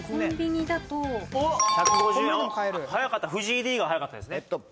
早かった藤井Ｄが早かったですね・